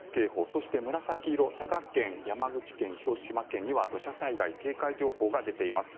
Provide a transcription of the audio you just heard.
そして、紫色佐賀県、山口県、広島県には土砂災害警戒情報が出ています。